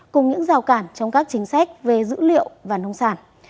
cùng những rào cản trong các chính sách về dữ liệu và nông sản